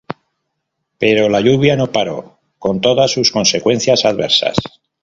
Pero la lluvia no paró, con todas sus consecuencias adversas.